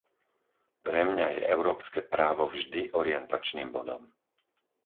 Pre mňa je európske právo vždy orientačným bodom.